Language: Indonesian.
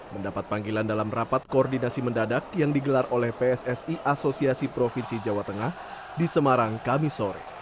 mendapat panggilan dalam rapat koordinasi mendadak yang digelar oleh pssi asosiasi provinsi jawa tengah di semarang kami sore